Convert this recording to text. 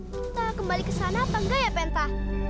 kita kembali ke sana atau enggak ya penta